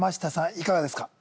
いかがですか？